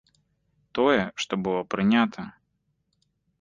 Тое, што было прынята.